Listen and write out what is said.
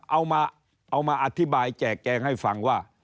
เอามาอธิบายแจกแจงให้ฟังว่า